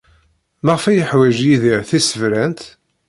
Maɣef ay yeḥwaj Yidir tisebrent?